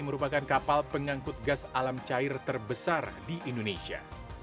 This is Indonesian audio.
merupakan kapal pengangkut gas alam cair terbesar di indonesia